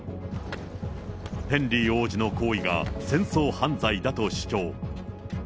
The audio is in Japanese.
ヘンリー王子の行為が戦争犯罪だと主張。